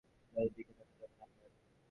জয়াদিদিকে দেখতে যাবে না একবার?